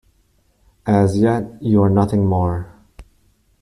As yet, you are nothing more.